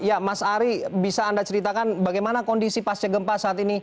ya mas ari bisa anda ceritakan bagaimana kondisi pasca gempa saat ini